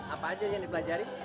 apa aja yang dibelajari